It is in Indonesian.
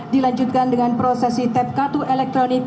dilanjutkan dengan prosesi tepkatu elektronik